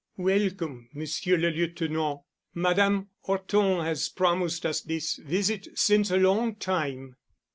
"Welcome, Monsieur le Lieutenant. Madame Horton has promised us this visit since a long time."